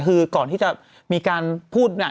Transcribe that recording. คือก่อนที่จะมีการพูด